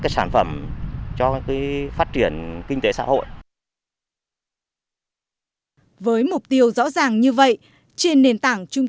các sản phẩm cho phát triển kinh tế xã hội với mục tiêu rõ ràng như vậy trên nền tảng trung